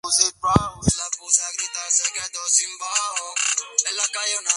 Está considerado una obra maestra del racionalismo italiano.